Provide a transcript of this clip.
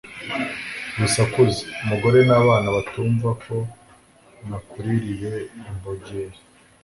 wisakuza, umugore n'abana batumva ko nakuririye imbogeri